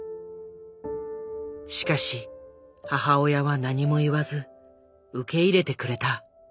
しかし母親は何も言わず受け入れてくれた。